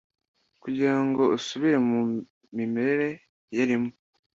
kugira ngo asubire mu mimerere yarimo